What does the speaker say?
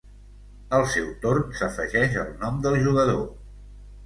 Al seu torn s'afegeix el nom del jugador.